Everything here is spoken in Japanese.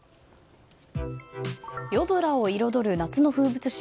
夜空を彩る夏の風物詩